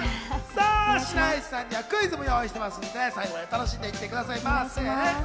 さぁ白石さんにはクイズも用意していますので、最後まで楽しんで行ってくださいませ。